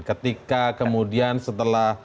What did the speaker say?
ketika kemudian setelah